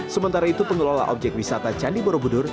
sementara itu pengelola objek wisata candi borobudur